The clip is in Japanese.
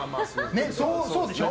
そうでしょ？